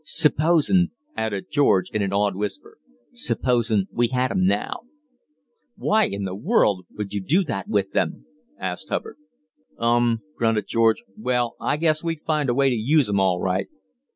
Supposin'," added George, in an awed whisper, "supposin' we had 'em now!" "Why what in the world would you do with them?" asked Hubbard. "Um!" grunted George. "Well, I guess we'd find a way to use 'em, all right."